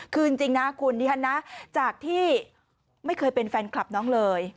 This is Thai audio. คือจริงนะคุณดิฉันนะจากที่ไม่เคยเป็นแฟนคลับน้องเลย